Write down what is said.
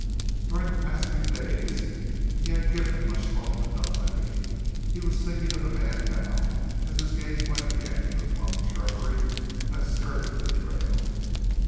During the past few days he had given much thought to Dunlavey. He was thinking of the man now, as his gaze went again to the clump of shrubbery that skirted the trail.